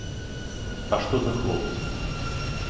А што за хлопцы?